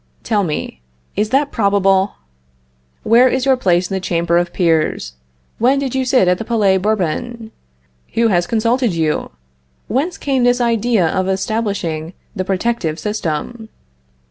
Tell me, is that probable? Where is your place in the Chamber of Peers? When did you sit at the Palais Bourbon? Who has consulted you? Whence came this idea of establishing the protective system?